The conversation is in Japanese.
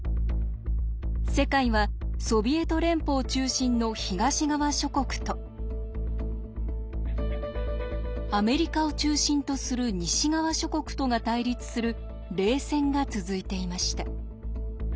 世界はソビエト連邦中心の東側諸国とアメリカを中心とする西側諸国とが対立する冷戦が続いていました。